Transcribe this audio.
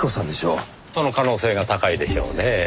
その可能性が高いでしょうねぇ。